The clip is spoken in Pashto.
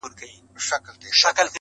د ساندو یا تراژیدو خبرو رنګ اخیستی دی